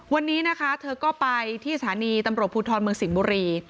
วันนี้นะคะเธอก็ไปที่สถานีตำรวจภูทรเมืองสิงห์บุรี